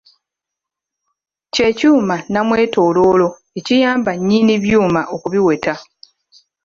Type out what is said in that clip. Kye kyuma nnamwetooloolo ekiyamba nnyinni byuma okubiweta.